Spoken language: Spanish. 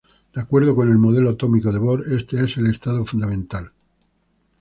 De acuerdo con el modelo atómico de Bohr, este es el estado fundamental, i.e.